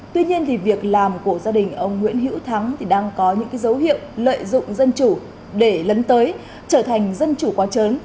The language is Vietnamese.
tuy nhiên việc làm của gia đình ông nguyễn hữu thắng thì đang có những dấu hiệu lợi dụng dân chủ để lấn tới trở thành dân chủ quá chớn